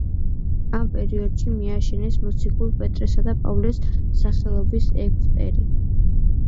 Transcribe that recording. ამ პერიოდში მიაშენეს მოციქულ პეტრესა და პავლეს სახელობის ეგვტერი.